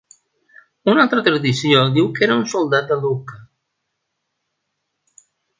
Una altra tradició diu que era un soldat de Lucca.